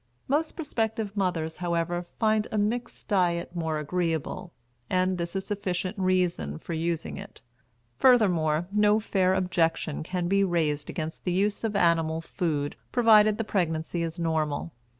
Most prospective mothers, however, find a mixed diet more agreeable, and this is sufficient reason for using it. Furthermore, no fair objection can be raised against the use of animal food, provided the pregnancy is normal.